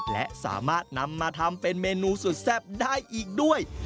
และสามารถนำมาทำเป็นเมนูสุดแซ่บได้อีกด้วย